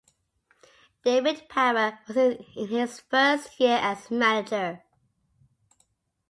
David Power was in his first year as manager.